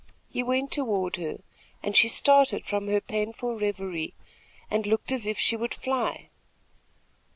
He went toward her, and she started from her painful reverie and looked as if she would fly.